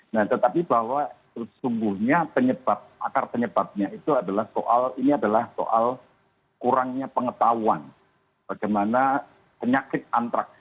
nah tetapi bahwa sesungguhnya penyebab akar penyebabnya itu adalah soal ini adalah soal kurangnya pengetahuan bagaimana penyakit antraks